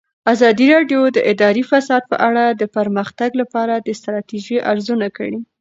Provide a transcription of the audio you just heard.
ازادي راډیو د اداري فساد په اړه د پرمختګ لپاره د ستراتیژۍ ارزونه کړې.